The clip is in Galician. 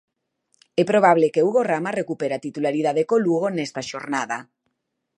E é probable que Hugo Rama recupere a titularidade co Lugo nesta xornada.